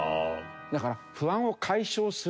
だから。